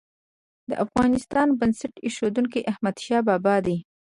د افغانستان بنسټ ايښودونکی احمدشاه بابا دی.